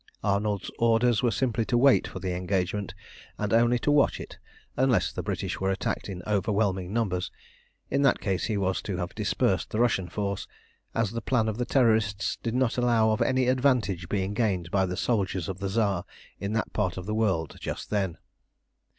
Arnold's orders were simply to wait for the engagement, and only to watch it, unless the British were attacked in overwhelming numbers. In that case he was to have dispersed the Russian force, as the plan of the Terrorists did not allow of any advantage being gained by the soldiers of the Tsar in that part of the world just then.